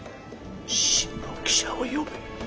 新聞記者を呼べ。